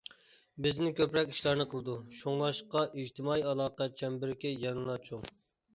بىزدىن كۆپرەك ئىشلارنى قىلىدۇ، شۇڭلاشقا ئىجتىمائىي ئالاقە چەمبىرىكى يەنىلا چوڭ.